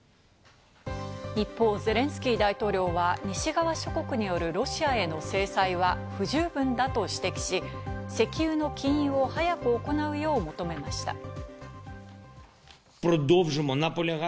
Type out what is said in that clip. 一方、ゼレンスキー大統領は西側諸国によるロシアへの制裁は不十分だと指摘し、石油の禁輸を早く行うよう求めました。